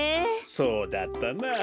そうだったなあ。